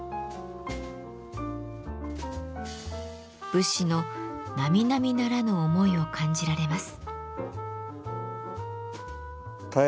武士の並々ならぬ思いを感じられます。